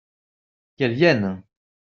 Qu'elles viennent !